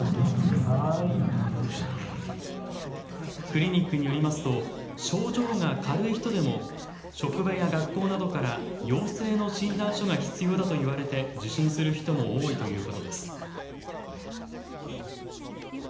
クリニックによりますと症状が軽い人でも職場や学校などから陽性の診断書が必要だと言われて受診する人も多いということです。